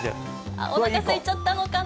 あっ、おなかすいちゃったのかな？